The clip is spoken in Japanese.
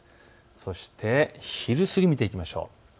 そして昼過ぎを見ていきましょう。